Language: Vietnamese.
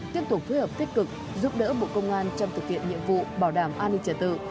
tiếp tục phối hợp tích cực giúp đỡ bộ công an trong thực hiện nhiệm vụ bảo đảm an ninh trả tự